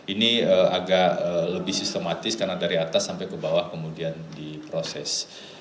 ini agak lebih sistematis karena dari atas sampai ke bawah kemudian diproses